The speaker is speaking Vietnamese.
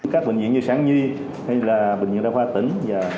các bệnh viện như sản nhi hay là bệnh viện đa khoa tỉnh